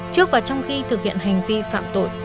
trước và trong khi thực hiện hành vi phạm tội